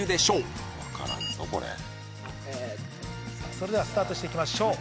それではスタートしていきましょう。